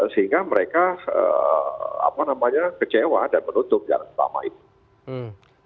sehingga mereka kecewa dan menutup jalan utama itu